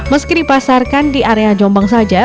meski dipasarkan di area jombang saja